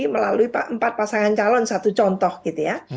melalui empat pasangan calon satu contoh gitu ya